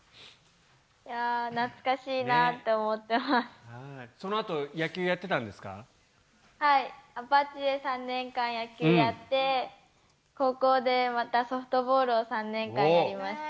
いやぁ、懐かしいなって思っそのあと、野球やってたんではい、アパッチで３年間、野球やって、高校でまたソフトボールを３年間やりました。